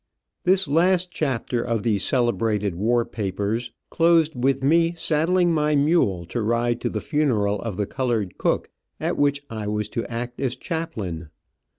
This last chapter of these celebrated war papers closed with me saddling my mule to ride to the funeral of the colored cook, at which I was to act as chaplain.